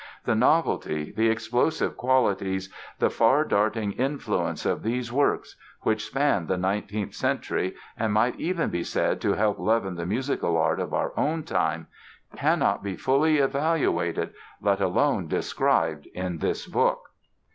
The novelty, the explosive qualities, the far darting influence of these works (which span the nineteenth century and might even be said to help leaven the musical art of our own time) cannot be fully evaluated, let alone described, in this book.